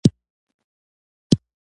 د مشرۍ دروازه ټولو وړو کسانو ته پرانیستې وه.